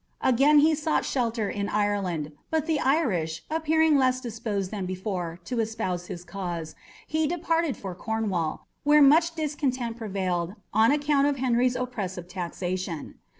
Again he sought shelter in Ireland, but the Irish appearing less disposed than before to espouse his cause, he departed for Cornwall, where much discontent prevailed on account of Henry's oppressive taxation.